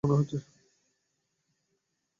বিল্ডিংটাকে এক ধরণের মৌচাক বলে মনে হচ্ছে।